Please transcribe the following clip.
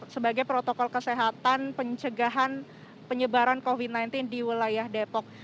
sebagai protokol kesehatan pencegahan penyebaran covid sembilan belas di wilayah depok